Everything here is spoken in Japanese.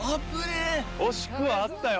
惜しくはあったよ